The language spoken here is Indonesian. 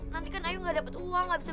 nanti kan ayu gak ada perhatiannya terus kan